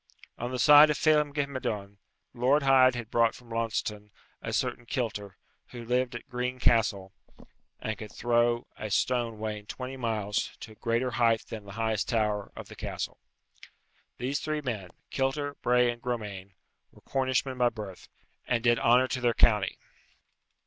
On the side of Phelem ghe Madone, Lord Hyde had brought from Launceston a certain Kilter, who lived at Green Castle, and could throw a stone weighing twenty pounds to a greater height than the highest tower of the castle. These three men, Kilter, Bray, and Gromane, were Cornishmen by birth, and did honour to their county.